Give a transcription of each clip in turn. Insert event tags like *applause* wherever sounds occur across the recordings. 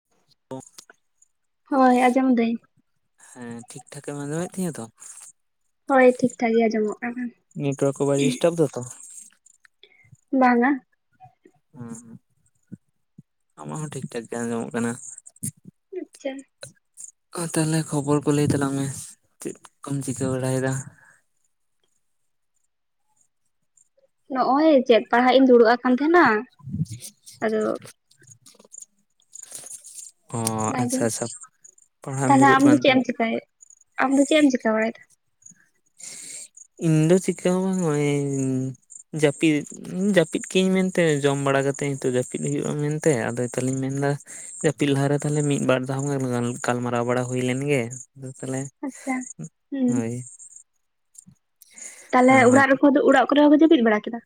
*unintelligible* ᱦᱳᱭ ᱟᱸᱡᱚᱢ ᱫᱟᱹᱧ ᱦᱮᱸ ᱴᱷᱤᱠ ᱴᱷᱟᱠᱮᱢ ᱟᱸᱡᱚᱢᱮᱫ ᱛᱤᱧᱟ ᱛᱚ ᱦᱳᱭ ᱴᱷᱤᱠ ᱴᱷᱟᱠ ᱜᱮ ᱟᱸᱡᱚᱢᱚᱜ ᱠᱟᱱᱟ ᱱᱮᱴᱣᱚᱨᱠ ᱠᱚᱸ ᱵᱟᱭ ᱰᱤᱥᱴᱟᱨᱵᱽ ᱫᱟ ᱛᱚ ᱵᱟᱝᱼᱟ ᱦᱮᱸ ᱟᱢᱟᱜ ᱦᱚᱸ ᱴᱷᱤᱠ ᱴᱷᱟᱠ ᱜᱮ ᱟᱸᱡᱚᱢᱚᱜ ᱠᱟᱱᱟ᱾ ᱟᱪᱪᱷᱟ ᱛᱟᱦᱚᱞᱮ ᱠᱷᱚᱵᱚᱨ ᱠᱚ ᱞᱟᱭ ᱛᱟᱞᱟᱝ ᱢᱮ ᱪᱮᱫ ᱠᱚᱢ ᱪᱤᱠᱟᱹ ᱵᱟᱲᱟᱭᱮᱫᱟ? ᱱᱚᱜ ᱚᱚᱭ ᱪᱮᱫ ᱯᱟᱲᱦᱟᱜ ᱤᱧ ᱫᱩᱲᱩᱵ ᱟᱠᱟᱱ ᱛᱟᱦᱮᱸᱱᱟ ᱾ᱟᱫᱚ ᱚ ᱚᱱᱟᱜᱮ ᱟᱪᱪᱷᱟ ᱟᱪᱪᱷᱟ ᱯᱟᱲᱦᱟᱜ ᱮᱢ ᱛᱟᱦᱞᱮ ᱫᱩᱲᱩᱵ ᱟᱢᱫᱚ ᱠᱟᱱ ᱪᱮᱫ ᱮᱢ ᱛᱟᱦᱮᱸᱫ ᱪᱮᱤᱠᱟᱭᱟ ᱟᱢᱫᱚ ᱪᱮᱫ ᱮᱢ ᱪᱤᱠᱟᱹ ᱵᱟᱲᱟᱭᱮᱫᱟ? ᱤᱧ ᱫᱚ ᱪᱮᱠᱟ ᱵᱟᱝ ᱡᱟᱹᱯᱤ ᱡᱟᱹᱯᱤᱫ ᱠᱟᱹᱧ ᱢᱮᱱᱛᱮ ᱡᱚᱢ ᱵᱟᱲᱟ ᱠᱟᱛᱮᱫ ᱱᱤᱛᱚᱜ ᱡᱟᱹᱯᱤᱫ ᱦᱩᱭᱩᱜᱼᱟ ᱢᱮᱱᱛᱮ ᱟᱫᱚ ᱛᱟᱦᱚᱞᱮᱧ ᱢᱮᱱ ᱮᱫᱟ ᱡᱟᱹᱯᱤᱞ ᱞᱟᱦᱟᱨᱮ ᱛᱟᱷᱞᱮ ᱢᱤᱫ ᱵᱟᱨ ᱫᱷᱟᱣ ᱜᱟᱞᱢᱟᱨᱟᱣ ᱵᱟᱲᱟ ᱦᱩᱭ ᱞᱮᱱᱜᱮ ᱟᱫᱚ ᱛᱟᱦᱞᱮ ᱟᱪᱷᱟ ᱦᱮᱸ ᱛᱟᱦᱚᱞᱮ ᱟᱨ ᱚᱲᱟᱜ ᱨᱮᱠᱚ ᱚᱲᱟᱜ ᱠᱚᱨᱮ ᱦᱚᱸᱠᱚ ᱡᱟᱹᱯᱤᱫ ᱵᱟᱲᱟ ᱠᱮᱫᱟ?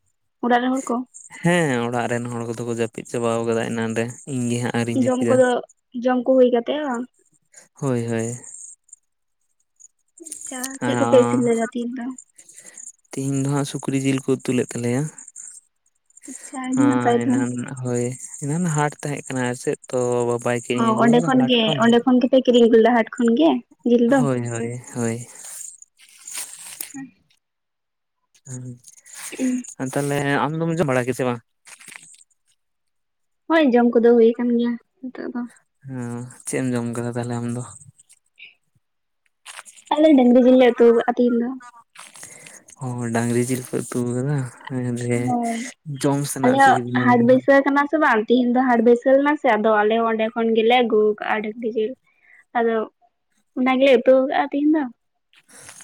ᱚᱲᱟᱜ ᱨᱮᱱ ᱦᱚᱲ ᱠᱚ, ᱦᱮᱸ ᱚᱲᱟᱜ ᱨᱮᱱ ᱦᱚᱲ ᱠᱚᱫᱚ ᱠᱚ ᱡᱟᱹᱯᱤᱫ ᱪᱟᱵᱟᱣ ᱟᱠᱟᱫᱟ ᱮᱱᱟᱱ ᱨᱮ ᱤᱧᱜᱮ ᱦᱟᱸᱜ᱾ ᱟᱹᱣᱨᱤᱧ ᱡᱚᱢ ᱡᱟᱹᱯᱤᱫᱟ ᱠᱚᱫᱚ ᱡᱚᱢ ᱠᱚ ᱦᱩᱭ ᱠᱟᱛᱮᱜ ᱦᱟᱸ ᱦᱳᱭ ᱦᱳᱭ ᱟᱪᱷᱟ ᱪᱮᱫ ᱠᱚᱯᱮ ᱤᱥᱤᱱ ᱞᱮᱫᱟ ᱛᱤᱦᱤᱧ ᱫᱚ? ᱛᱮᱦᱤᱧ ᱫᱚ ᱦᱟᱸᱜ ᱥᱩᱠᱨᱤ ᱡᱤᱞ ᱠᱚ ᱩᱛᱩ ᱞᱮᱫ ᱛᱟᱞᱮᱭᱟ᱾ ᱟᱪᱪᱷᱟ ᱦᱮ ᱟᱹᱰᱤ ᱱᱟᱯᱟᱭ ᱛᱚ ᱮᱱᱟᱱ ᱦᱳᱭ ᱮᱱᱟᱱ ᱦᱟᱴ ᱛᱟᱦᱮᱸᱠᱟᱱᱟ ᱟᱨ ᱪᱮᱫ ᱛᱚ ᱵᱟᱼᱼ ᱚ ᱚᱸᱰᱮ ᱠᱷᱚᱱ ᱜᱮ ᱚᱸᱰᱮ ᱠᱷᱚᱱ ᱜᱮᱯᱮ ᱠᱤᱨᱤᱧ ᱜᱩᱞᱟ-ᱟ ᱦᱟᱴ ᱠᱷᱚᱱ ᱜᱮ? ᱡᱤᱞ ᱫᱚ ᱦᱳᱭ ᱦᱳᱭ ᱦᱳᱭ ᱦᱮᱸ ᱦᱮᱸ ᱛᱟᱦᱞᱮ ᱟᱢ ᱫᱚᱢ ᱡᱚᱢ ᱵᱟᱲᱟ ᱜᱮ ᱥᱮ ᱵᱟᱝ? ᱦᱳᱭ ᱡᱚᱢ ᱠᱚᱫᱚ ᱦᱩᱭ ᱟᱠᱟᱱ ᱜᱮᱭᱟ ᱱᱤᱛᱚᱜ ᱫᱚ᱾ ᱦᱮᱸ ᱪᱮᱫ ᱮᱢ ᱡᱚᱢ ᱠᱮᱫᱟ ᱛᱟᱦᱞᱮ ᱟᱢ ᱫᱚ? ᱟᱞᱮ ᱰᱟᱝᱨᱤ ᱡᱤᱞ ᱞᱮ ᱩᱛᱩ ᱠᱟᱫᱟ ᱛᱤᱦᱤᱧ ᱫᱚ᱾ ᱚ ᱰᱟᱝᱨᱤ ᱡᱤᱞ ᱯᱮ ᱩᱛᱩ ᱟᱠᱟᱫᱟ᱾ ᱦᱳᱭ, ᱟᱞᱮᱭᱟᱜ ᱠᱤᱫᱤᱧᱟ ᱦᱟᱴ ᱵᱟᱵᱟ᱾ ᱵᱟᱹᱭᱥᱟᱹ ᱠᱟᱱᱟ ᱥᱮ ᱵᱟᱝ? ᱛᱮᱦᱤᱧ ᱫᱚ ᱦᱟᱴ ᱵᱟᱹᱭᱥᱟᱹᱣ ᱮᱱᱟ ᱥᱮ ᱟᱫᱚ ᱟᱞᱮ ᱦᱚᱸ ᱚᱸᱰᱮ ᱠᱷᱚᱱ ᱜᱮᱞᱮ ᱟᱹᱜᱩ ᱠᱟᱜᱼᱟ ᱰᱟᱝᱨᱤ ᱡᱮᱞ ᱟᱫᱚ ᱚᱱᱟ ᱜᱮᱞᱮ ᱩᱛᱩ ᱟᱠᱟᱫᱼᱟ ᱛᱤᱦᱤᱧ ᱫᱚ᱾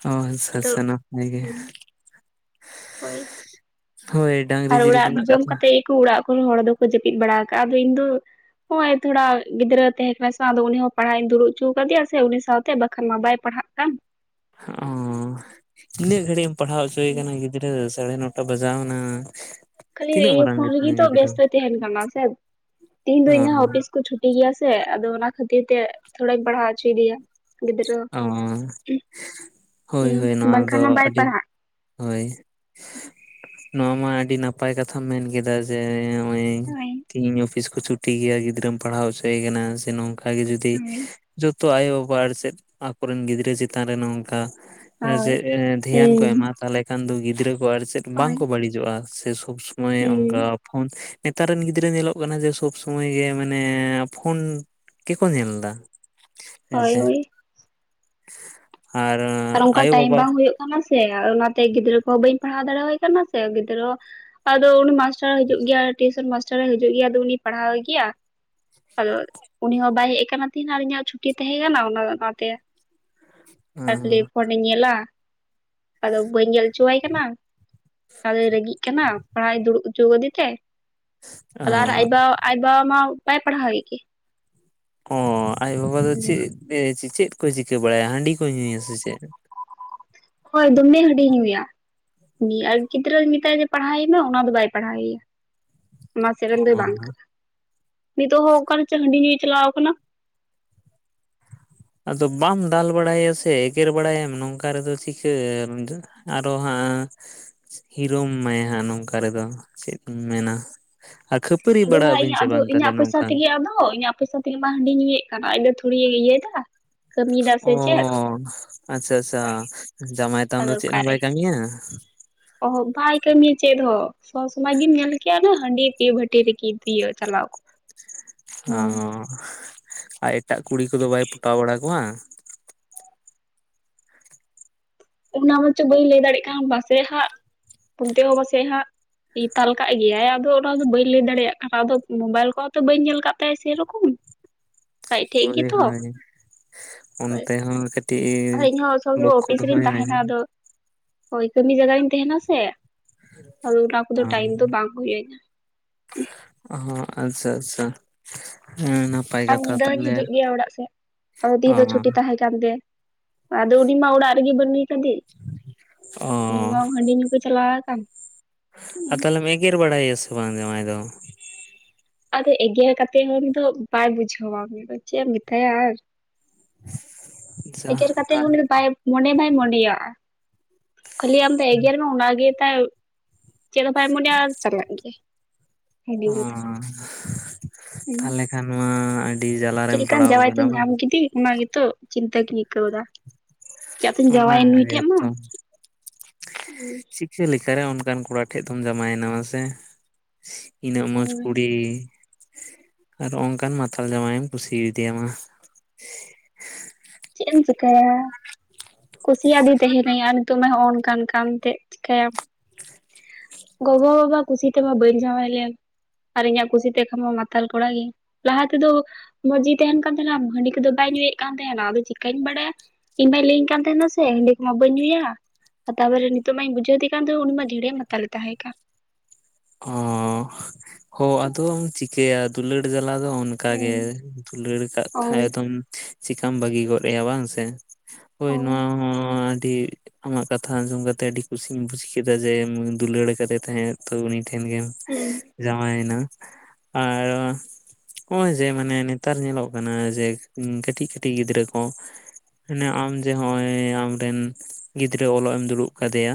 ᱚ ᱟᱪᱷᱟ ᱟᱫᱚ ᱟᱪᱷᱟ ᱱᱟᱯᱟᱭ ᱜᱮ᱾ ᱦᱳᱭ ᱾ ᱦᱳᱭ ᱾ ᱟᱨ ᱚᱲᱟᱜ ᱡᱚᱢ ᱠᱟᱛᱮᱫ ᱜᱮᱠᱚ ᱚᱲᱟᱜ ᱠᱚᱨᱮ ᱦᱚᱲ ᱫᱚᱠᱚ ᱡᱟᱹᱯᱤᱫ ᱵᱟᱲᱟ ᱟᱠᱟᱜᱼᱟ ᱟᱫᱚ ᱤᱧ ᱫᱚ ᱱᱚᱜᱭ ᱛᱷᱚᱲᱟ ᱜᱤᱫᱽᱨᱟᱹ ᱛᱟᱦᱮᱸ ᱠᱟᱱᱟ ᱥᱮ ᱟᱫᱚ ᱩᱱᱤ ᱦᱚᱸ ᱯᱟᱲᱦᱟᱜ ᱤᱧ ᱫᱩᱲᱩᱵ ᱦᱚᱪᱚ ᱟᱠᱟᱣᱫᱮᱭᱟ ᱥᱮ ᱩᱱᱤ ᱥᱟᱶᱛᱮ ᱵᱟᱠᱷᱟᱱ ᱢᱟ ᱵᱟᱭ ᱯᱟᱲᱦᱟᱜ ᱠᱟᱱ ᱚ ᱛᱤᱱᱟᱹᱜ ᱜᱷᱟᱹᱲᱤᱡ ᱮᱢ ᱯᱟᱲᱦᱟᱣ ᱦᱚᱪᱚᱭᱮ ᱠᱟᱱᱟ ᱜᱤᱫᱽᱨᱟᱹ ᱥᱟᱲᱮ ᱱᱚᱴᱟ ᱵᱟᱡᱟᱣ ᱮᱱᱟ᱾ ᱠᱷᱟᱹᱞᱤ ᱤᱭᱟᱹ ᱯᱷᱳᱱ ᱨᱮᱜᱮ ᱛᱚ ᱵᱮᱥ ᱛᱚ ᱛᱟᱦᱮᱱ ᱠᱟᱱᱟ ᱥᱮ ᱛᱤᱦᱤᱧ ᱫᱚ ᱚ ᱤᱧ ᱚᱯᱷᱤᱥ ᱠᱚ ᱪᱷᱩᱴᱤ ᱜᱮᱭᱟ ᱥᱮ ᱟᱫᱚ ᱚᱱᱟ ᱠᱷᱟᱹᱛᱤᱨ ᱛᱮ ᱛᱷᱚᱲᱟᱧ ᱵᱟᱲᱦᱟᱣ ᱦᱚᱪᱚᱭᱮᱫᱮᱭᱟ᱾ ᱜᱤᱫᱽᱨᱟᱹ ᱚ ᱦᱳᱭ ᱦᱳᱭ ᱱᱚᱣᱟ ᱵᱟᱝᱠᱷᱟᱱ ᱫᱚ ᱢᱟ ᱵᱟᱭ ᱟᱹᱰᱤ ᱯᱟᱲᱦᱟᱜ᱾ ᱦᱳᱭ ᱱᱚᱣᱟ ᱢᱟ ᱟᱹᱰᱤ ᱱᱟᱯᱟᱭ ᱠᱟᱛᱷᱟᱢ ᱢᱮᱱ ᱠᱮᱫᱟ ᱡᱮ ᱱᱚᱜ ᱦᱳᱭ ᱛᱤᱦᱤᱧ ᱚᱯᱷᱤᱥ ᱠᱚ ᱪᱷᱩᱴᱤ ᱜᱮᱭᱟ ᱜᱤᱫᱽᱨᱟᱹᱢ ᱯᱟᱲᱦᱟᱣ ᱦᱚᱪᱚᱭᱮ ᱠᱟᱱᱟ ᱥᱮ ᱱᱚᱝᱠᱟ ᱚᱱᱠᱟᱜᱮ ᱡᱩᱫᱤ ᱦᱳᱭ ᱡᱚᱛᱚ ᱟᱭᱳᱼᱵᱟᱵᱟ ᱪᱮᱫ ᱟᱠᱚᱨᱮᱱ ᱜᱤᱫᱽᱨᱟᱹ ᱪᱮᱛᱟᱱ ᱨᱮ ᱱᱚᱝᱠᱟ, ᱦᱮᱥᱮ ᱦᱳᱭ ᱫᱷᱮᱭᱟᱱ ᱠᱚ ᱦᱩᱸ ᱮᱢᱟ ᱛᱟᱦᱚᱞᱮ ᱠᱷᱟᱱ ᱫᱚ ᱜᱤᱫᱽᱨᱟᱹ ᱠᱚ ᱟᱨ ᱪᱮᱫ ᱦᱳᱭ ᱵᱟᱝᱠᱚ ᱵᱟᱹᱲᱤᱡᱚᱜᱼᱟ ᱾ ᱥᱮ ᱥᱚᱵ ᱱᱚᱜᱚᱭ ᱚᱝᱠᱟ ᱦᱩᱸ ᱯᱷᱳᱱ ᱱᱮᱛᱟᱨ ᱨᱮᱱ ᱜᱤᱫᱽᱨᱟᱹ ᱧᱮᱞᱚᱜ ᱠᱟᱱᱟ ᱡᱮ ᱥᱚᱵ ᱥᱚᱢᱚᱭ ᱜᱮ ᱢᱟᱱᱮ ᱯᱷᱳᱱ ᱜᱮᱠᱚ ᱧᱮᱞ ᱮᱫᱟ, ᱾ ᱦᱳᱭ ᱦᱳᱭ ᱾ ᱟᱨᱻ ᱾ ᱟᱨ ᱚᱱᱠᱟ ᱴᱟᱭᱤᱢ ᱵᱟᱝ ᱦᱩᱭᱩᱜ᱾ ᱥᱮ ᱚᱱᱟᱛᱮ ᱜᱤᱫᱽᱨᱟᱹ ᱠᱚᱦᱚᱸ ᱵᱟᱹᱧ ᱯᱟᱲᱦᱟᱣ ᱫᱟᱲᱮᱣᱟᱭ ᱠᱟᱱᱟ ᱥᱮ ᱜᱤᱫᱽᱨᱟᱹ ᱟᱫᱚ ᱩᱱᱤ ᱢᱟᱥᱴᱚ ᱢᱟᱥᱴᱟᱨ ᱦᱤᱡᱩᱜ ᱜᱮᱭᱟ ᱴᱤᱭᱩᱥᱚᱱ ᱢᱟᱥᱴᱟᱨᱭ ᱦᱤᱡᱩᱜ ᱜᱮᱭᱟ ᱟᱫᱚ ᱩᱱᱤ ᱯᱟᱲᱦᱟᱣᱮ ᱜᱮᱭᱟ᱾ ᱟᱫᱚ ᱩᱱᱤ ᱦᱚᱸ ᱵᱟᱭ ᱦᱮᱡ ᱟᱠᱟᱱᱟ ᱛ ᱛᱟᱦᱮᱱᱟ ᱤᱧᱟᱜ ᱪᱷᱩᱴᱤ ᱛᱟᱦᱮᱸ ᱠᱟᱱᱟ ᱚᱱᱟ ᱚᱱᱟ ᱛᱮ *inaudible* ᱟᱨ ᱠᱷᱟᱹᱞᱤ ᱯᱷᱳᱱᱤᱧ ᱧᱮᱞᱟ ᱟᱫᱚ ᱵᱟᱹᱧ ᱧᱮᱞ ᱦᱚᱪᱚᱣᱟᱭ ᱠᱟᱱᱟ ᱾ ᱟᱨᱮ ᱨᱟᱹᱜᱤᱜ ᱠᱟᱱᱟ ᱯᱟᱲᱦᱟᱜ ᱫᱩᱲᱩᱵ ᱦᱚᱪᱚ ᱟᱫᱮ ᱛᱮ ᱟᱫᱚ ᱟᱨ ᱟᱭ ᱵᱟ ᱟᱭ ᱵᱟ ᱢᱟ ᱵᱟᱭ ᱯᱟᱲᱦᱟᱣ ᱮ ᱜᱮ ᱚᱻ ᱟᱡ ᱵᱟᱵᱟ ᱫᱚ ᱪᱮᱫ ᱪᱮᱫ ᱠᱚᱭ ᱪᱤᱠᱟᱹ ᱵᱟᱲᱟᱭᱟ ᱦᱟᱺᱰᱤ ᱠᱚ ᱧᱩᱭᱟ ᱥᱮ ᱪᱮᱫ? ᱦᱳᱭ ᱫᱚᱢᱮ ᱦᱟᱹᱰᱤ ᱧᱩᱭᱟ ᱾ ᱩᱱᱤ ᱟᱨ ᱜᱤᱫᱽᱨᱟᱹᱧ ᱢᱮᱛᱟᱭᱟ ᱡᱮ ᱯᱟᱲᱦᱟᱣ ᱢᱮ ᱚᱱᱟ ᱫᱚ ᱵᱟᱭ ᱯᱟᱲᱦᱟᱣᱮᱭᱟ ᱾ ᱚᱱᱟ ᱥᱮᱜᱨᱮᱱ ᱫᱚᱭ ᱵᱟᱝ ᱠᱟᱱᱟ᱾ ᱱᱤᱛᱚᱜ ᱦᱚᱸ ᱚᱠᱟᱨᱮ ᱪᱚ ᱦᱟᱸᱰᱤ ᱧᱩᱭ ᱪᱟᱞᱟᱣ ᱠᱟᱱᱟ ᱾ ᱟᱫᱚ ᱵᱟᱢ ᱫᱟᱞ ᱵᱟᱲᱟᱭᱮᱭᱟ ᱥᱮ ᱮᱜᱮᱨ ᱵᱟᱲᱟᱭᱮᱢ ᱱᱚᱝᱠᱟ ᱨᱮᱫᱚ ᱪᱤᱠᱟᱹ ᱟᱨᱚ ᱦᱟᱸᱜ᱾ ᱦᱤᱨᱳᱢ ᱢᱟᱭ ᱦᱟᱸᱜ ᱱᱚᱝᱠᱟ ᱨᱮᱫᱚ ᱪᱮᱫ ᱮᱢ ᱢᱮᱱᱟ, ᱟᱨ ᱠᱷᱟᱹ ᱟᱫᱚ ᱦᱟᱸᱜ ᱤᱧᱟᱹᱜ ᱟᱫᱚ ᱤᱧᱟᱹᱜ ᱯᱚᱭᱥᱟ ᱛᱮᱜᱮ ᱟᱫᱚ ᱤᱧᱟᱜ ᱯᱩᱭᱥᱟᱹ ᱛᱮᱜᱮ ᱢᱟ ᱦᱟᱺᱰᱤ ᱧᱩᱭᱮᱜ ᱠᱟᱱ᱾ ᱟᱡ ᱫᱚ ᱛᱷᱚᱲᱤ ᱤᱭᱟᱹᱭᱫᱟ᱾ ᱚᱸᱻ ᱟᱪᱪᱷᱟ ᱟᱪᱪᱷᱟ ᱡᱟᱢᱟᱭ ᱛᱟᱢ ᱫᱚ ᱪᱮᱫ ᱦᱚᱸ ᱵᱟᱭ ᱠᱟᱹᱢᱤᱭᱟ? ᱚᱸ ᱵᱟᱭ ᱠᱟᱹᱢᱤᱭᱟ ᱪᱮᱫ ᱦᱚᱸ᱾ ᱥᱚᱵ ᱥᱚᱢᱚᱭ ᱜᱮᱢ ᱧᱮᱞ ᱠᱮᱭᱟ ᱦᱟᱺᱰᱤ ᱵᱷᱟᱹᱴᱤ ᱨᱮᱜᱤ ᱛᱤᱭᱳ ᱪᱟᱞᱟᱣ ᱠᱚᱜ ᱾ ᱚᱸ ᱟᱨ ᱮᱴᱟᱜ ᱠᱩᱲᱤ ᱠᱚᱫᱚ ᱵᱟᱭ ᱯᱚᱴᱟᱣ ᱵᱟᱲᱟ ᱠᱚᱣᱟ? ᱚᱱᱟ ᱢᱟᱪᱚ ᱵᱟᱹᱧ ᱞᱟᱹᱭ ᱫᱟᱲᱮᱜ ᱠᱟᱱ᱾ ᱯᱟᱥᱮᱜ ᱦᱟᱸᱜ ᱯᱩᱱᱛᱮᱦᱚᱸ ᱯᱟᱥᱮᱜ ᱦᱟᱸᱜ ᱛᱟᱞ ᱠᱟᱜ ᱜᱮᱭᱟᱭ, ᱟᱫᱚ ᱚᱱᱟᱫᱚ ᱵᱟᱹᱧ ᱞᱟᱹᱭ ᱫᱟᱲᱮᱭᱟᱜ ᱠᱟᱱᱟ᱾ ᱟᱫᱚ ᱢᱳᱵᱟᱭᱤᱞ ᱠᱚ ᱦᱚᱸ ᱛᱚ ᱵᱟᱹᱧ ᱧᱮᱞ ᱠᱟᱜ ᱛᱟᱭᱟ ᱥᱮᱨᱚᱠᱚᱢ ᱾ ᱦᱳᱭ ᱦᱳᱭ ᱚᱱᱛᱮ ᱦᱚᱸ ᱠᱟᱹᱴᱤᱡ ᱟᱨ ᱤᱧᱦᱚᱸ ᱥᱚᱵ ᱥᱚᱢᱚᱭ ᱞᱚᱠᱠᱷᱚ ᱚᱯᱷᱤᱥ ᱨᱤᱧ ᱫᱚᱦᱚᱭ ᱢᱮ ᱛᱟᱦᱮᱱᱟ᱾ ᱟᱫᱚ ᱦᱳᱭ ᱠᱟᱹᱢᱤ ᱡᱟᱭᱜᱟ ᱨᱤᱧ ᱛᱟᱦᱮᱱᱟ ᱥᱮ, ᱟᱫᱚ ᱚᱱᱟ ᱠᱚᱫᱚ ᱴᱟᱭᱤᱢ ᱫᱚ ᱵᱟᱝ ᱦᱩᱭᱟᱹᱧᱟᱹ᱾ ᱦᱚᱸ ᱟᱪᱪᱷᱟ ᱟᱪᱪᱷᱟ ᱦᱮᱸ ᱱᱟᱯ ᱾ ᱟᱨ ᱧᱤᱫᱟᱹ ᱦᱚᱧ ᱦᱤᱡᱩᱜ ᱜᱮᱭᱟ ᱚᱲᱟᱜ ᱥᱮᱜ, ᱟᱫᱚ ᱚ ᱛᱤᱦᱤᱧ ᱫᱚ ᱪᱷᱩᱴᱤ ᱛᱟᱦᱮᱸ ᱠᱟᱱᱟ᱾ ᱠᱟᱱ ᱛᱮ ᱟᱫᱚ ᱩᱱᱤ ᱢᱟ ᱚᱲᱟᱜ ᱨᱮᱜᱮ ᱵᱟᱹᱱᱩᱭ ᱠᱟᱫᱤ ᱚ ᱩᱱᱤ ᱢᱟ ᱦᱟᱺᱰᱤ ᱧᱩ, ᱪᱟᱞᱟᱣ ᱟᱠᱟᱱ᱾ ᱟᱨ ᱛᱟᱦᱚᱞᱮᱢ ᱮᱜᱮᱨ ᱵᱟᱲᱟᱭᱮᱭᱟ ᱥᱮ ᱵᱟᱝ ᱡᱟᱶᱟᱭ ᱫᱚ? ᱟᱫᱚ ᱮᱜᱮᱨ ᱠᱟᱛᱮᱜ ᱦᱚᱸ ᱩᱱᱤ ᱫᱚ ᱵᱟᱭ ᱵᱩᱡᱷᱟᱹᱣᱟ ᱩᱱᱤ ᱫᱚ ᱪᱮᱜ ᱮᱢ ᱢᱮᱛᱟᱭᱟ ᱟᱨ, ᱟᱪᱪᱷᱟ ᱮᱜᱮᱨ ᱠᱟᱛᱮ ᱦᱚᱸ ᱩᱱᱤ ᱫᱚ ᱵᱟᱭ ᱢᱚᱱᱮ ᱵᱟᱭ ᱢᱚᱱᱮᱭᱟᱜᱼᱟ ᱾ ᱠᱷᱟᱹᱞᱤ ᱟᱢ ᱫᱚ ᱮᱜᱟᱴᱮᱨ ᱢᱮ ᱚᱱᱟ ᱜᱮ ᱛᱟᱭ ᱪᱮᱜ ᱦᱚᱸ ᱵᱟᱭ ᱢᱚᱱᱮᱭᱟ, ᱟᱨ ᱪᱟᱞᱟᱜ ᱜᱮᱭᱟᱭ ᱦᱟᱺᱰᱤ ᱚ ᱧᱩ ᱫᱚ᱾ ᱦᱩᱸ ᱛᱟᱦᱚᱞᱮ ᱠᱷᱟᱱ ᱢᱟ ᱟᱹᱰᱤ ᱡᱟᱞᱟ ᱪᱮᱫ ᱨᱮᱢ ᱞᱮᱠᱟᱱ ᱯᱟᱲᱟᱣ ᱡᱟᱶᱟᱭ ᱠᱟᱱᱟ ᱛᱚᱧ ᱵᱟᱝ? ᱧᱟᱢ ᱠᱮᱫᱮ ᱚᱱᱟ ᱜᱮᱛᱚᱜ ᱪᱤᱱᱛᱟᱹ ᱜᱮᱧ ᱟᱹᱭᱠᱟᱹᱣ ᱫᱟ᱾ ᱪᱟᱜ ᱛᱚᱧ ᱚᱱᱟ ᱡᱟᱶᱟᱭᱮᱱ ᱱᱩᱭ ᱴᱷᱮᱡ ᱢᱟ᱾ ᱜᱮᱛᱚ ᱪᱤᱠᱟᱹ ᱞᱮᱠᱟᱨᱮ ᱚᱱᱠᱟᱱ ᱠᱚᱲᱟ ᱴᱷᱮᱡ ᱫᱚᱢ ᱡᱟᱶᱟᱭᱮᱱᱟ ᱢᱟᱥᱮ? ᱤᱱᱟᱹᱜ ᱢᱚᱡᱽ ᱦᱳᱭ ᱠᱩᱲᱤ ᱟᱨ ᱦᱚᱜ ᱚᱝᱠᱟᱱ ᱢᱟᱛᱟᱞ ᱡᱟᱶᱟᱭ ᱮᱢ ᱠᱩᱥᱤᱣᱫᱤᱭᱟ ᱢᱟ, ᱪᱮᱜ ᱮᱢ ᱪᱮᱠᱟᱭᱟ ᱠᱩᱥᱤᱭᱟᱫᱤ ᱛᱟᱦᱮᱱᱟᱹᱧ, ᱟᱨ ᱱᱤᱛᱚᱜ ᱦᱚᱸ ᱚᱱ ᱠᱟᱱ ᱠᱟᱱᱛᱮᱜ ᱪᱤᱠᱟᱭᱟᱢ᱾ ᱜᱚᱜᱚ ᱵᱟᱵᱟ ᱠᱩᱥᱤ ᱛᱮᱢᱟ ᱵᱟᱹᱧ ᱡᱟᱣᱟᱶ ᱞᱮᱱ᱾ ᱟᱨ ᱤᱧᱟᱹᱜ ᱠᱩᱥᱤᱛᱮ ᱠᱷᱟᱱ ᱢᱟ ᱢᱟᱛᱟᱞ ᱠᱚᱲᱟ ᱜᱮ᱾ ᱞᱟᱦᱟ ᱛᱮᱫᱚ ᱢᱚᱡ ᱜᱮ ᱛᱟᱦᱮᱱ ᱠᱟᱱ ᱛᱟᱦᱮᱱᱟ᱾ ᱦᱟᱺᱰᱤ ᱠᱚᱫᱚ ᱵᱟᱭ ᱧᱩᱭᱮᱫ ᱠᱟᱱ ᱛᱟᱦᱮᱱᱟ᱾ ᱟᱫᱚ ᱪᱤᱠᱟᱧ ᱵᱟᱲᱟᱭᱟ, ᱤᱧ ᱢᱟᱭ ᱞᱟᱹᱭᱟᱹᱧ ᱠᱟᱱ ᱛᱟᱦᱮᱱᱟ ᱥᱮ ᱦᱟᱺᱰᱤ ᱠᱚ ᱢᱟ ᱵᱟᱹᱧ ᱧᱩᱭᱟ᱾ ᱟᱨ ᱛᱟᱨᱯᱚᱨᱮ ᱱᱤᱛᱚᱜ ᱢᱟᱧ ᱵᱩᱡᱷᱟᱹᱣ ᱮ ᱠᱟᱱ ᱩᱱᱤ ᱢᱟ ᱡᱷᱟᱲᱮ ᱢᱟᱛᱟᱞᱮ ᱛᱟᱦᱮᱸ ᱠᱟᱱ ᱾ ᱚᱸᱻᱦᱚᱸ ᱟᱫᱚᱢ ᱪᱤᱠᱟᱹᱭᱟ ᱫᱩᱞᱟᱹᱲ ᱡᱟᱞᱟ ᱫᱚ ᱚᱱ ᱚᱱᱠᱟ ᱜᱮ ᱫᱩᱞᱟᱹᱲ ᱠᱟᱜ ᱠᱷᱟᱡ ᱦᱳᱭ ᱫᱚᱢ ᱪᱤᱠᱟᱢ ᱵᱟᱹᱜᱤ ᱜᱚᱜ ᱟᱭᱟ ᱵᱟᱝ ᱥᱮ? ᱦᱳᱭ ᱱᱚᱣᱟ ᱦᱚᱸ ᱟᱹᱰᱤ ᱟᱢᱟᱜ ᱠᱟᱛᱷᱟ ᱟᱸᱡᱚᱢ ᱠᱟᱛᱮ ᱟᱹᱰᱤ ᱠᱩᱥᱤᱧ ᱵᱩᱡ ᱠᱮᱫᱟ᱾ ᱡᱮᱢ ᱫᱩᱞᱟᱹᱲ ᱟᱠᱟᱫᱮ ᱛᱟᱦᱮᱸᱫ ᱛᱚ ᱩᱱᱤ ᱴᱷᱮᱱ ᱜᱮᱢ ᱦᱮᱸ ᱡᱟᱶᱟᱭᱮᱱᱟ ᱟᱨᱚ ᱦᱚᱜᱼᱚᱭ ᱡᱮ ᱢᱟᱱᱮ ᱱᱮᱛᱟᱨ ᱧᱮᱞᱚᱜ ᱠᱟᱱᱟ ᱡᱮ ᱠᱟᱹᱴᱤᱡ ᱠᱟᱹᱴᱤᱡ ᱜᱤᱫᱽᱨᱟᱹ ᱠᱚ, ᱦᱟᱱᱮ ᱟᱢ ᱡᱮ ᱦᱚᱜᱼᱚᱭ ᱟᱢᱨᱮᱱ ᱜᱤᱫᱽᱨᱟᱹ ᱚᱞᱚᱜ ᱮᱢ ᱫᱩᱲᱩᱵ ᱠᱟᱫᱮᱭᱟ,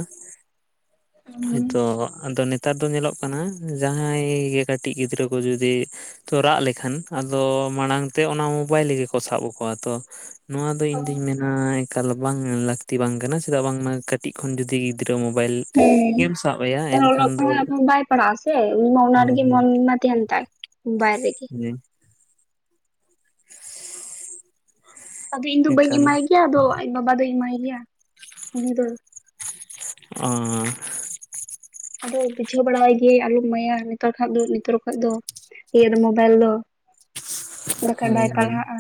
ᱦᱳᱭ ᱦᱳᱭᱛᱚ ᱟᱫᱚ ᱱᱤᱛ ᱛᱚ ᱧᱮᱞᱚᱜ ᱠᱟᱱᱟ, ᱡᱟᱦᱟᱸᱭ ᱜᱮ ᱠᱟᱹᱴᱤᱡ ᱜᱤᱫᱽᱨᱟᱹ ᱠᱚ ᱡᱩᱫᱤ ᱛᱚ ᱨᱟᱜ ᱞᱮᱠᱷᱟᱱ ᱟᱫᱚ ᱢᱟᱲᱟᱝ ᱛᱮ ᱚᱱᱟ ᱢᱳᱵᱟᱭᱤᱞ ᱜᱮᱠᱚ ᱥᱟᱵ ᱟᱠᱚᱣᱟ᱾ ᱛᱚ, ᱱᱚᱣᱟ ᱫᱚ ᱤᱧ ᱫᱚᱧ ᱢᱮᱱᱟ ᱮᱠᱟᱞ ᱵᱟᱝ ᱞᱟᱹᱠᱛᱤ ᱵᱟᱝ ᱠᱟᱱᱟ, ᱪᱮᱫᱟᱜ ᱵᱟᱝᱢᱟ ᱠᱟᱹᱴᱤᱡ ᱠᱷᱚᱱ ᱡᱩᱫᱤ ᱜᱤᱫᱽᱨᱟᱹ ᱢᱳᱵᱟᱭᱤᱞ ᱦᱮᱸ ᱜᱮᱢ ᱥᱟᱵ ᱟᱭᱟ ᱮᱱᱠᱷᱟᱱ ᱫᱚ ᱯᱟᱲᱟᱜ ᱟᱥᱮ ᱩᱱᱤ ᱢᱟ ᱚᱱᱟ ᱦᱳᱭ ᱨᱮᱜᱮ ᱦᱳᱭ ᱢᱚᱱ ᱢᱟ ᱛᱟᱦᱮᱱ ᱛᱟᱭ ᱵᱟᱭ ᱨᱮᱜᱮ *inaudible* ᱟᱫᱚ ᱤᱧ ᱫᱚ ᱵᱟᱹᱧ ᱮᱠᱟᱞ ᱮᱢᱟᱭ ᱜᱮᱭᱟ ᱟᱫᱚ ᱟᱡ ᱵᱟᱵᱟ ᱫᱚᱭ ᱮᱢᱟᱭ ᱜᱮᱭᱟ ᱩᱱᱤ ᱫᱚ ᱚᱸ ᱟᱫᱚᱭ ᱵᱩᱡᱷᱟᱹᱣ ᱵᱟᱲᱟᱣᱟᱭ ᱜᱮᱭᱟᱧ ᱟᱞᱚᱢ ᱮᱢᱟᱹᱭᱟ ᱱᱮᱛᱟᱨ ᱠᱷᱟᱜ ᱫᱚ ᱱᱤᱛᱚᱨ ᱠᱷᱟᱜ ᱫᱚ ᱤᱭᱟᱹ ᱫᱚ ᱢᱳᱵᱟᱭᱤᱞ ᱫᱚ ᱵᱟᱠᱷᱟᱡ ᱦᱚᱭ ᱵᱟᱭ ᱟᱢᱧ ᱯᱟᱲᱦᱟᱜᱼᱟ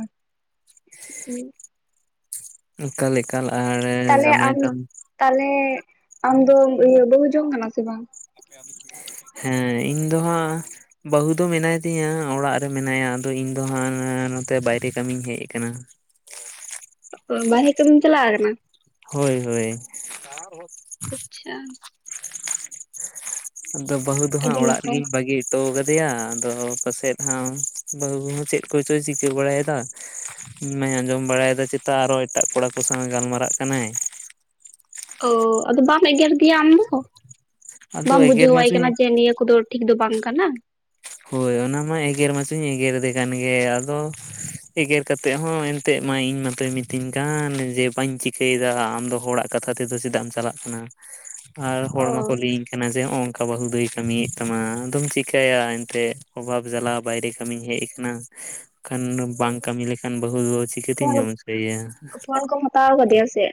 ᱚᱠᱟ‌ ᱞᱮᱠᱟᱱ ᱟᱨ ᱛᱟᱞᱮ ᱡᱟᱢᱟᱭ ᱟᱢ ᱛᱟᱢ ᱛᱟᱞᱦᱮ ᱟᱢ ᱫᱚᱢ ᱤᱭᱟᱹ ᱵᱟᱹᱦᱩ ᱡᱚᱝ ᱠᱟᱱᱟ ᱥᱮ ᱵᱟᱝ ᱦᱮᱸ ᱤᱧ ᱫᱚ ᱦᱟᱸᱜ ᱵᱟᱹᱦᱩ ᱫᱚ ᱢᱮᱱᱟᱭ ᱛᱤᱧᱟ ᱚᱲᱟᱜ ᱨᱮ ᱢᱮᱱᱟᱭᱟ ᱟᱫᱚ ᱤᱧ ᱫᱚ ᱦᱟᱸᱜ ᱱᱟᱜ-ᱱᱚᱛᱮ ᱵᱟᱭᱨᱮ ᱠᱟᱹᱢᱤᱧ ᱦᱮᱡ ᱟᱠᱟᱱᱟ ᱵᱟᱦᱨᱮ ᱠᱟᱹᱢᱤᱢ ᱪᱟᱞᱟᱠᱱᱟ ᱦᱚᱭ ᱦᱚᱭ *unintelligible* ᱟᱪᱪᱷᱟ ᱟᱫᱚ ᱵᱟᱹᱦᱩ ᱫᱚ ᱦᱟᱸᱜ ᱟᱹᱰᱤ ᱚᱲᱟᱜ ᱱᱟᱯᱟᱭ ᱨᱮᱜᱤᱧ ᱵᱟᱹᱜᱤ ᱛᱚ ᱠᱟᱫᱮᱭᱟ ᱟᱫᱚ ᱯᱟᱥᱮᱫ ᱦᱟᱜ ᱵᱟᱹᱦᱩ ᱪᱮᱫ ᱠᱚᱪᱚᱭ ᱪᱤᱠᱟᱹ ᱵᱟᱲᱟᱭᱮᱫᱟ ᱤᱧ ᱢᱟᱧ ᱟᱸᱡᱚᱢ ᱵᱟᱲᱟᱭᱮᱫᱟ ᱪᱮᱛᱟ ᱟᱨᱚ ᱮᱴᱟᱜ ᱠᱚᱲᱟ ᱠᱚ ᱥᱟᱶᱮ ᱜᱟᱞᱢᱟᱨᱟᱜ ᱠᱟᱱᱟᱭ ᱚ ᱟᱫᱚ ᱵᱟᱢ ᱮᱜᱮᱨ ᱜᱮᱭᱟ ᱟᱢ ᱫᱚ ᱟᱫᱚ ᱵᱟᱢ ᱮᱜᱮᱨ ᱵᱩᱡᱷᱟᱹᱣᱟᱭ ᱠᱟᱱᱟ ᱢᱟᱪᱚᱧ ᱡᱮ ᱱᱤᱭᱟᱹ ᱠᱚᱫᱚ ᱴᱷᱤᱠ ᱫᱚ ᱵᱟᱝ ᱠᱟᱱᱟ ᱦᱳᱭ ᱚᱱᱟ ᱢᱟ ᱮᱜᱮᱨ ᱢᱟᱥᱮ ᱮᱜᱮᱨᱮᱫᱮ ᱠᱟᱱ ᱜᱮ ᱟᱫᱚ ᱮᱜᱮᱨ ᱠᱟᱛᱮᱜ ᱦᱚᱸ ᱮᱱᱛᱮᱡ ᱢᱟ ᱤᱧ ᱢᱟᱛᱚᱭ ᱢᱤᱛᱟᱹᱧ ᱠᱟᱱ ᱡᱮ ᱵᱟᱹᱧ ᱪᱤᱠᱟᱹᱭᱫᱟ ᱟᱢ ᱫᱚ ᱦᱚᱲᱟᱜ ᱠᱟᱛᱷᱟ ᱛᱮᱫᱚ ᱪᱮᱫᱟᱜ ᱮᱢ ᱪᱟᱞᱟᱜ ᱠᱟᱱᱟ ᱟᱨ ᱚ ᱦᱚᱲ ᱢᱟᱠᱚ ᱞᱟᱹᱭᱟᱹᱧ ᱠᱟᱱᱟ ᱡᱮ ᱱᱚᱝᱠᱟ ᱵᱟᱹ ᱦᱩ ᱫᱚᱭ ᱠᱟᱹᱢᱤᱭᱮᱫ ᱛᱟᱢᱟ ᱟᱫᱚᱢ ᱪᱮᱠᱟᱭᱟ ᱛᱮᱜ ᱚᱵᱷᱟᱵ ᱡᱟᱞᱟ ᱵᱟᱭᱨᱮ ᱠᱟᱹᱢᱤ ᱦᱮᱡ ᱠᱟᱱᱟ ᱠᱷᱟᱱ ᱵᱟᱝ ᱠᱟᱹᱢᱤ ᱞᱮᱠᱷᱟᱱ ᱵᱟᱹᱦᱩ ᱫᱚ ᱪᱤᱠᱟᱹᱛᱤᱧ ᱡᱚᱢ ᱦᱚᱪᱚᱭᱭᱟ ᱛᱟᱣ ᱠᱟᱫᱮᱭᱟᱢ ᱥᱮᱜ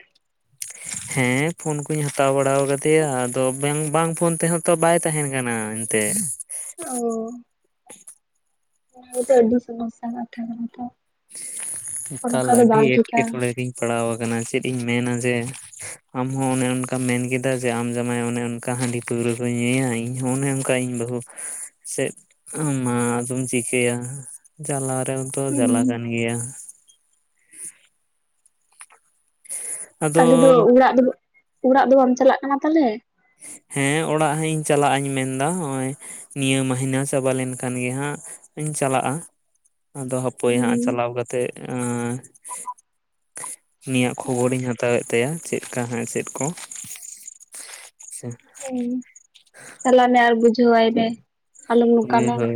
*inaudible* ᱦᱮᱸ ᱯᱷᱚᱱ ᱠᱩᱧ ᱦᱟᱛᱟᱣ ᱵᱟᱲᱟᱣ ᱠᱟᱫᱮᱭᱟ ᱟᱫᱚ ᱵᱮᱝ ᱵᱟᱝ ᱯᱷᱳᱱ ᱛᱮᱦᱚᱸ ᱛᱚ ᱵᱟᱭ ᱛᱟᱦᱮᱱ ᱠᱟᱱᱟ ᱮᱱᱛᱮ *inaudible* ᱛᱟᱞᱦᱮ ᱛᱚ ᱟᱹᱰᱤ ᱥᱚᱢᱚᱥᱥᱟ ᱠᱟᱛᱷᱟ ᱠᱟᱱᱟ ᱛᱚ ᱮᱠᱟᱞ ᱚᱱᱠᱟ ᱫᱚ ᱟᱹᱰᱤ ᱵᱟᱝ ᱴᱷᱤᱠᱟ ᱮᱸᱴᱠᱮᱴᱚᱬᱮ ᱨᱤᱧ ᱯᱟᱲᱟᱣ ᱠᱟᱱᱟ ᱪᱮᱫ ᱤᱧ ᱢᱮᱱᱟ ᱡᱮ ᱟᱢᱦᱚᱸ ᱚᱱᱮ ᱚᱱᱠᱟᱢ ᱢᱮᱱ ᱠᱮᱫᱟ ᱡᱮ ᱟᱢ ᱡᱟᱢᱟᱭ ᱚᱱᱮ ᱚᱱᱠᱟ ᱦᱟᱺᱰᱤ ᱯᱟᱹᱣᱨᱟᱹ ᱠᱚᱭ ᱧᱩᱭᱟ ᱤᱧᱦᱚᱸ ᱚᱱᱮ ᱚᱱᱠᱟ ᱤᱧ ᱵᱟᱹᱦᱩ ᱪᱮᱫ ᱢᱟ ᱟᱫᱚᱢ ᱪᱤᱠᱟᱹᱭᱟ ᱪᱟᱞᱟ ᱨᱮᱦᱚ ᱛᱚ ᱦᱩᱸ ᱡᱟᱞᱟ ᱠᱟᱱ ᱜᱮᱭᱟ ᱛᱟᱞᱦᱮ ᱫᱚ ᱟᱫᱚ ᱚᱲᱟᱜ ᱫᱚ ᱚᱲᱟᱜ ᱫᱚ ᱵᱟᱢ ᱪᱟᱞᱟᱜ ᱠᱟᱱᱟ ᱛᱟᱞᱦᱮ ᱦᱮᱸ ᱚᱲᱟᱜ ᱦᱟᱜ ᱤᱧ ᱪᱟᱞᱟᱜ ᱟᱧ ᱢᱮᱱᱫᱟ ᱦᱚᱭ ᱱᱤᱭᱟᱹ ᱢᱟᱹᱦᱤᱱᱟᱹ ᱪᱟᱵᱟ ᱞᱮᱱᱠᱷᱟᱱ ᱜᱮ ᱦᱟᱸᱜ ᱤᱧ ᱪᱟᱞᱟᱜ-ᱟ ᱟᱫᱚ ᱦᱟᱹᱯᱚᱭ ᱦᱟᱸᱜ ᱪᱟᱞᱟᱣ ᱠᱟᱛᱮᱜ ᱟᱸᱻ ᱩᱱᱤᱭᱟᱜ ᱦᱳᱭ ᱠᱷᱚᱵᱚᱨᱤᱧ ᱦᱟᱛᱟᱣᱮᱫ ᱛᱟᱭᱟ ᱪᱮᱫ ᱠᱟ ᱦᱟᱜ ᱪᱮᱫ ᱠᱚ ᱟᱪᱪᱷᱟ ᱦᱩᱸ ᱪᱟᱞᱟᱜ ᱢᱮ ᱟᱨ ᱵᱩᱡᱟᱹᱣᱟᱭ ᱢᱮ ᱟᱞᱚᱢ ᱦᱳᱭ ᱱᱚᱝᱠᱟᱱᱟ᱾ ᱦᱳᱭ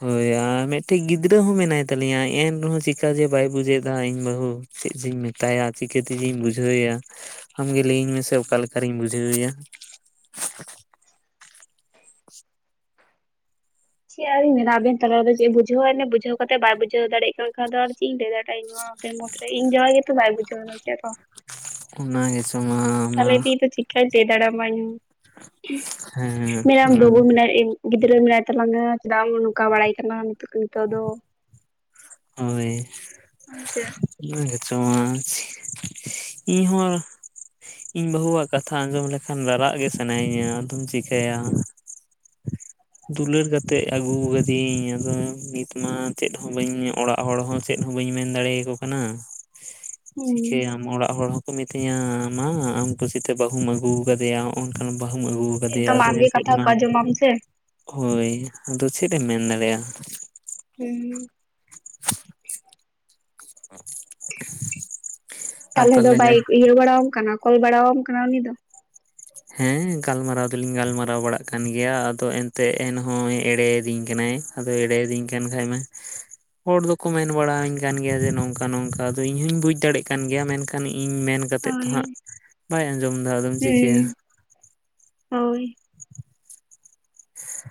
ᱦᱚᱭ ᱟᱨ ᱢᱤᱫᱴᱮᱡ ᱜᱤᱫᱽᱨᱟᱹ ᱦᱚᱸ ᱢᱮᱱᱟᱭ ᱛᱟᱹᱞᱤᱧᱟ ᱮᱱ ᱨᱮᱦᱚᱸ ᱪᱮᱠᱟ ᱡᱮ ᱵᱟᱭ ᱵᱩᱡᱮᱫᱟ ᱤᱧ ᱵᱟᱹᱦᱩ᱾ ᱪᱮᱫ ᱡᱩᱧ ᱢᱮᱛᱟᱭᱟ ᱪᱤᱠᱟᱹ ᱛᱮᱡᱤᱧ ᱵᱩᱡᱷᱟᱹᱣᱮᱭᱟ᱾ ᱟᱢᱜᱮ ᱞᱟᱹᱭᱟᱹᱧ ᱢᱮᱥᱮ ᱚᱠᱟ ᱞᱮᱠᱟ ᱨᱤᱧ ᱵᱩᱡᱷᱟᱹᱣᱮᱭᱟ? ᱪᱮᱜ ᱟᱨᱤᱧ ᱢᱮᱱᱟ ᱟᱵᱮᱱ ᱛᱟᱞᱟ ᱨᱮᱫᱚ ᱪᱮᱜ ᱵᱩᱡᱷᱟᱹᱣ ᱣᱟᱭ ᱢᱮ ᱵᱩᱡᱷᱟᱣᱹ ᱠᱟᱛᱮᱜ ᱵᱟᱭ ᱵᱩᱡᱷᱟᱹᱣ ᱫᱟᱲᱮᱭᱟᱜ ᱠᱟᱱ ᱠᱷᱟᱱ ᱫᱚ ᱟᱨ ᱪᱤᱜ ᱤᱧ ᱞᱟᱹᱭ ᱫᱟᱲᱭᱟᱜ-ᱟ ᱤᱧ ᱦᱚᱸᱼᱼ ᱟᱵᱮᱱ ᱢᱚᱛᱨᱮ ᱤᱧ ᱡᱟᱶᱟᱭ ᱜᱮ ᱛᱚ ᱵᱟᱭ ᱵᱩᱡᱟᱹᱣ ᱫᱟ ᱪᱮᱫ *unintelligible* ᱚᱱᱟ ᱜᱮ ᱥᱮ᱾ ᱛᱚᱢᱟᱼᱼ ᱛᱟᱦᱚᱞᱮ ᱪᱤᱜ ᱯᱮ ᱪᱤᱠᱟᱭ ᱛᱮ ᱫᱟᱲᱮᱢᱟᱧ ᱦᱮᱸ *inaudible* ᱢᱮᱱᱟᱢ ᱚᱱᱟ ᱵᱟᱹᱵᱩ ᱢᱮᱱᱟᱭ ᱤᱧ ᱼᱼ ᱜᱤᱫᱽᱨᱟᱹ ᱢᱮᱱᱟᱭ ᱛᱟᱞᱝᱟ ᱪᱮᱫᱟᱢ ᱱᱚᱠᱟ ᱵᱟᱲᱟᱭ ᱠᱟᱱᱟ ᱱᱤᱛᱚᱜ ᱫᱚ᱾ ᱦᱚᱭ ᱦᱮᱸ ᱥᱮ ᱚᱱᱟ ᱜᱮᱪᱚ *unintelligible* ᱤᱧ ᱦᱚᱸ ᱤᱧ ᱵᱟᱹᱦᱩ ᱣᱟᱜ ᱠᱟᱛᱷᱟ ᱟᱸᱡᱚᱢ ᱞᱮᱠᱷᱟᱱ ᱨᱟᱨᱟᱜ ᱜᱮ ᱥᱟᱱᱟᱭᱤᱧᱟ ᱟᱫᱚᱢ ᱪᱤᱠᱟᱭᱟ᱾ ᱫᱩᱞᱟᱹᱲ ᱠᱟᱛᱮᱜ ᱟᱜᱩ ᱠᱟᱫᱤᱭᱤᱧ ᱟᱫᱚ ᱱᱤᱛᱚᱜ ᱢᱟ ᱪᱮᱫ ᱦᱚᱸ ᱵᱟᱹᱧ ᱧᱚᱜᱼᱼ ᱚᱲᱟᱜ ᱦᱚᱲ ᱦᱚᱸ ᱪᱮᱫ ᱦᱚᱸ ᱵᱟᱹᱧ ᱢᱮᱱ ᱫᱟᱲᱮ ᱭᱟᱠᱠ ᱠᱟᱱᱟ ᱦᱩᱸ ᱪᱤᱠᱟᱹᱭᱟᱢ ᱚᱲᱟᱜ ᱦᱚᱲ ᱦᱚᱸᱼᱼ ᱠᱚ ᱢᱤᱛᱟᱹᱧᱟ ᱢᱟ ᱟᱢ ᱠᱩᱥᱤᱛᱮ ᱵᱟᱦᱩᱢ ᱟᱹᱜᱩᱣ ᱠᱟᱫᱮᱭᱟ ᱦᱚᱸᱜ-ᱚ ᱱᱚᱝᱠᱟᱱ ᱵᱟᱦᱩᱢ ᱟᱹᱜᱩᱼᱼ ᱠᱟᱫᱮᱭᱟ ᱮᱠᱫᱚᱢ ᱟᱫᱚ ᱟᱢᱜᱮ ᱮᱱᱛᱮᱜ ᱠᱟᱛᱷᱟ ᱢᱟ ᱠᱚ ᱟᱸᱡᱚᱢᱟᱢ ᱥᱮ ᱦᱚᱭ ᱟᱫᱚ ᱪᱮᱫ ᱮᱢ ᱢᱮᱱ ᱫᱟᱲᱮᱭᱟᱜ ᱦᱩᱸᱻ *inaudible* ᱛᱟᱦᱚᱞᱮ ᱫᱚ ᱵᱟᱭ ᱤᱭᱟᱹ ᱵᱟᱲᱟᱣᱟᱢ ᱠᱟᱱᱟ ᱠᱚᱞ ᱵᱟᱲᱟᱣᱟᱢ ᱠᱟᱱᱟ ᱩᱱᱤ ᱫᱚ? ᱦᱮᱸ ᱜᱟᱞᱢᱟᱨᱟᱣ ᱫᱚᱞᱤᱧ ᱜᱟᱞᱢᱟᱨᱟᱣ ᱵᱟᱲᱟᱜ ᱠᱟᱱ ᱜᱮᱭᱟ ᱟᱫᱚ ᱮᱱᱛᱮᱜ ᱮᱱᱦᱚᱸᱭ ᱮᱲᱮᱭ ᱤᱫᱤᱧ ᱠᱟᱱᱟᱭ᱾ ᱟᱫᱚᱭ ᱮᱲᱮᱭ ᱤᱫᱤᱧ ᱠᱟᱱ ᱠᱷᱟᱡ ᱢᱟᱼᱼ ᱦᱚᱲ ᱫᱚᱠᱚ ᱢᱮᱱ ᱵᱟᱲᱟ ᱣᱟᱹᱧ ᱠᱟᱱ ᱜᱮᱭᱟ ᱡᱮ ᱱᱚᱝᱠᱟ ᱱᱚᱝᱠᱟ ᱟᱫᱚ ᱤᱧ ᱦᱩᱧ ᱵᱩᱡᱷ ᱫᱟᱲᱮᱭᱟᱜ ᱠᱟᱱ ᱜᱮᱭᱟ ᱢᱮᱱᱠᱷᱟᱱ ᱤᱧ ᱢᱮᱱᱼᱼ ᱠᱟᱛᱮᱫ ᱛᱚ ᱦᱳᱭ ᱦᱟᱸᱜ ᱵᱟᱭ ᱟᱸᱡᱚᱢ ᱫᱟ ᱟᱫᱚᱢ ᱪᱤᱠᱟᱹᱭᱟ᱾ ᱦᱮᱸ ᱦᱳᱭ᱾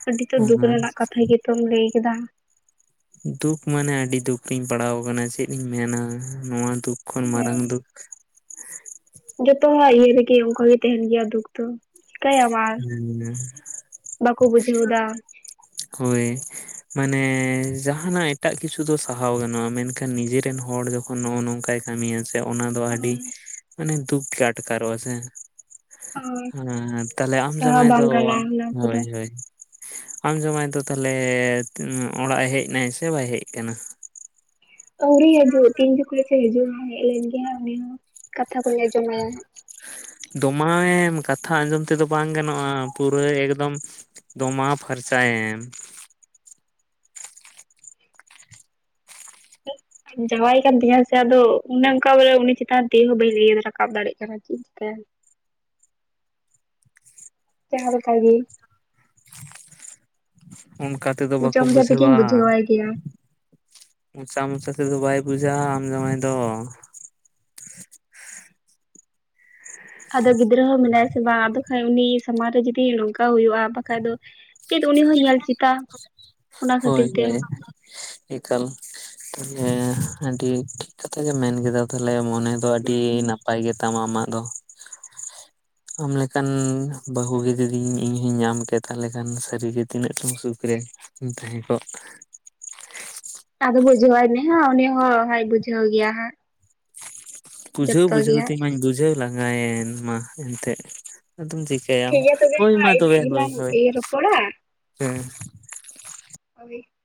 ᱟᱹᱰᱤ ᱛᱚ ᱫᱩᱠ ᱦᱮᱸ ᱨᱮᱱᱟᱜ ᱠᱟᱛᱷᱟ ᱜᱮᱛᱚᱢ ᱞᱟᱹᱭ ᱠᱮᱫᱟ᱾ ᱫᱩᱠ ᱢᱟᱱᱮ ᱟᱹᱰᱤ ᱫᱩᱠ ᱨᱤᱧ ᱯᱟᱲᱟᱣ ᱠᱟᱱᱟ ᱪᱮᱫ ᱤᱧ ᱢᱮᱱᱟ ᱱᱚᱣᱟ ᱫᱩᱠᱼᱼ ᱠᱷᱚᱱ ᱦᱮᱸ ᱢᱟᱨᱟᱝ ᱫᱩᱠᱼᱼ ᱡᱚᱛᱚ ᱦᱚᱲᱟᱜ ᱤᱭᱟᱹ ᱨᱮᱜᱮ ᱚᱱᱠᱟ ᱜᱮ ᱛᱮᱦᱮᱸᱱ ᱜᱮᱭᱟ ᱫᱩᱠ ᱫᱚ᱾ ᱪᱤᱠᱟᱭᱟᱢ ᱟᱨ ᱦᱮᱸ ᱵᱟᱠᱚ ᱵᱩᱡᱷᱟᱹᱣ ᱫᱟ᱾ *inaudible* ᱦᱳᱭ ᱢᱟᱱᱮ ᱡᱟᱦᱟᱸᱱᱟᱜ ᱮᱴᱟᱜ ᱠᱤᱪᱷᱩ ᱫᱚ ᱥᱟᱦᱟᱣ ᱜᱟᱱᱚᱜ-ᱟ ᱢᱮᱱᱠᱷᱟᱱ ᱱᱤᱡᱮᱨᱮᱱ ᱦᱚᱲ ᱡᱚᱠᱼᱼ ᱱᱚᱜ-ᱚ ᱱᱚᱝᱠᱟᱭ ᱠᱟᱹᱢᱤᱭᱟ ᱥᱮᱼᱼ ᱚᱱᱟ ᱫᱚ ᱟᱹᱰᱤ ᱦᱳᱭ ᱢᱟᱱᱮ ᱫᱩᱠ ᱜᱮ ᱟᱴᱠᱟᱨᱚᱜ-ᱟ ᱥᱮ, ᱦᱳᱭ ᱟᱨᱼᱼ ᱟᱢ ᱥᱟᱦᱟ ᱡᱟᱢᱟᱭ ᱫᱚ, ᱵᱟᱝ ᱦᱚᱭ ᱜᱟᱱᱚᱜᱼᱟ ᱚᱱᱟ ᱠᱚᱫᱚ ᱦᱚᱭ᱾ ᱦᱚᱭ, ᱟᱢ ᱡᱟᱢᱟᱭ ᱫᱚ ᱛᱟᱦᱚᱞᱮ ᱛᱮ ᱚᱲᱟᱜ ᱮ ᱦᱮᱡ ᱮᱱᱟᱭ ᱥᱮ ᱵᱟᱭ ᱦᱮᱡ ᱠᱟᱱᱟ? ᱟᱹᱣᱨᱤ ᱦᱟᱹᱡᱩᱜ ᱛᱤᱱ ᱡᱚᱠᱷᱚᱡ ᱪᱚᱭ ᱦᱤᱡᱩᱜ-ᱟ ᱦᱮᱡ ᱞᱮᱱ ᱜᱮ ᱦᱟᱸᱜ ᱩᱱᱤ ᱦᱚᱸ ᱠᱟᱛᱷᱟ ᱠᱚᱧ ᱟᱸᱡᱚᱢ ᱢᱟᱭᱟ‌ ᱦᱟᱸᱜ᱾ ᱫᱚᱢᱟᱣᱮᱢ ᱠᱟᱛᱷᱟ ᱟᱸᱡᱚᱢ ᱛᱮᱫᱚ ᱵᱟᱝ ᱜᱟᱱᱚᱜ-ᱟ ᱯᱩᱨᱟᱹ ᱮᱠᱫᱚᱢᱼᱼ ᱫᱚᱢᱟᱣ ᱯᱷᱟᱨᱪᱟᱭᱮᱢ᱾ ᱡᱟᱶᱟᱭ ᱠᱟᱱ ᱛᱤᱧᱟᱭ ᱥᱮ ᱟᱫᱚ ᱚᱱᱮ ᱚᱱᱠᱟ ᱵᱚᱞᱮ ᱩᱱᱤ ᱪᱮᱛᱟᱱ ᱛᱤ ᱦᱚᱸ ᱵᱟᱹᱧ ᱞᱟᱹᱭ ᱨᱟᱠᱟᱵ ᱫᱟᱲᱮᱜ ᱠᱟᱱᱟ᱾ ᱪᱤᱜ ᱪᱤᱠᱟᱭᱟ? *inaudible* *unintelligible* ᱚᱱᱠᱟ ᱛᱮᱫᱚ ᱢᱚᱪᱟ ᱵᱟᱠᱚ ᱢᱚᱪᱟ ᱵᱩᱡᱷᱟᱹᱣᱟ᱾ ᱛᱮᱜᱮᱧ ᱵᱩᱡᱷᱟᱹᱣᱟᱭ ᱜᱮᱭᱟ ᱢᱚᱪᱟ ᱢᱚᱪᱟ ᱛᱮᱫᱚ ᱵᱟᱭ ᱵᱩᱡᱷᱟ ᱟᱢ ᱡᱟᱢᱟᱭ ᱫᱚ᱾ ᱟᱫᱚ ᱜᱤᱫᱽᱨᱟᱹ ᱦᱚᱸ ᱢᱮᱱᱟᱭᱟ ᱥᱮ ᱵᱟᱝ ᱟᱫᱚ ᱠᱷᱟᱡ ᱩᱱᱤ ᱥᱟᱢᱟᱝ ᱨᱮ ᱡᱩᱫᱤ ᱱᱚᱝᱠᱟ ᱦᱩᱭᱩᱜ-ᱟ ᱵᱟᱠᱷᱟᱡ ᱫᱚᱼᱼ ᱪᱮᱫ ᱩᱱᱤ ᱦᱚᱸᱭ ᱧᱮᱞ ᱪᱤᱛᱟ᱾ ᱦᱳᱭ ᱦᱳᱭ᱾ ᱮᱠᱟᱞ ᱛᱟᱞᱦᱮ ᱟᱹᱰᱤ ᱴᱷᱤᱠ ᱠᱟᱛᱷᱟ ᱜᱮᱢ ᱢᱮᱱ ᱠᱮᱫᱟ ᱛᱟᱞᱦᱮ ᱢᱚᱱᱮᱼᱼ ᱫᱚ ᱟᱹᱰᱤ ᱱᱟᱯᱟᱭ ᱜᱮᱛᱟᱢᱟ ᱟᱢᱟᱜ ᱫᱚ᱾ ᱟᱢᱞᱮᱠᱟᱱ ᱵᱟᱹᱦᱩ ᱡᱩᱫᱤ ᱤᱧ ᱦᱚᱧ ᱧᱟᱢ ᱠᱮᱭᱟ ᱛᱟᱦᱚᱞᱮ ᱠᱷᱟᱱ ᱥᱟᱹᱨᱤᱜᱮ ᱛᱤᱱᱟᱹᱜ ᱪᱚᱝ ᱥᱩᱠ ᱨᱮ ᱛᱟᱦᱮᱱᱸ ᱠᱚᱜ ᱟᱫᱚ ᱵᱩᱡᱷᱟᱹᱣᱟᱭᱢᱮ ᱦᱟᱸᱜ ᱩᱱᱤ ᱦᱳᱭ *unintelligible* ᱵᱩᱡᱷᱟᱹᱣ ᱜᱮᱭᱟ ᱦᱟᱸᱜ ᱵᱩᱡᱷᱟᱹᱣ ᱡᱚᱛᱚ ᱜᱮ ᱵᱩᱡᱷᱟᱹᱣ ᱦᱟᱸᱜ ᱛᱮᱢᱟᱧ ᱵᱩᱡᱷᱟᱹᱣ ᱞᱟᱸᱜᱟᱭᱮᱱ ᱢᱟ ᱮᱱᱛᱮᱫ ᱟᱫᱚᱢ ᱪᱮ ᱢᱟᱭᱟᱢ ᱴᱷᱤᱠ ᱜᱮᱭᱟ ᱛᱚᱵᱮ ᱦᱚᱭ ᱢᱟ ᱦᱟᱸᱜ ᱛᱚᱵᱮ ᱤᱱᱟᱹᱜ ᱦᱳᱭ ᱜᱮᱞᱟᱝ ᱦᱳᱭ ᱨᱚᱯᱚᱲᱟ ᱦᱮᱸ *unintelligible*